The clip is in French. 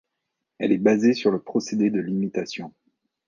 Elle est basée sur le procédé de l'imitation.